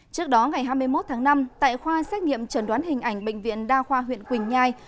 trước đó ngày hai mươi một tháng năm tại khoa xét nghiệm trần đoán hình ảnh bệnh viện đa khoa huyện quỳnh nhai